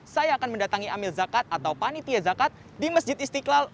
saya akan mendatangi amil zakat atau panitia zakat di masjid istiqlal